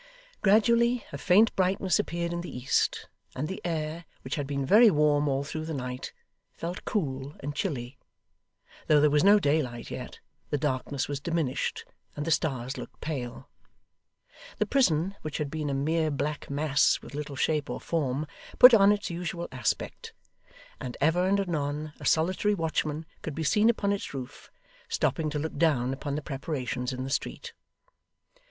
Gradually, a faint brightness appeared in the east, and the air, which had been very warm all through the night, felt cool and chilly. Though there was no daylight yet, the darkness was diminished, and the stars looked pale. The prison, which had been a mere black mass with little shape or form, put on its usual aspect; and ever and anon a solitary watchman could be seen upon its roof, stopping to look down upon the preparations in the street.